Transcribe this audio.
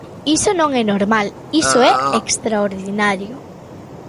E iso non é normal, iso é extraordinario.